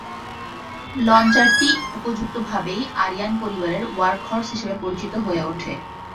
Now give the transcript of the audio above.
লঞ্চারটি উপযুক্তভাবেই আরিয়ান পরিবারের "ওয়ার্কহর্স" হিসেবে পরিচিত হয়ে ওঠে।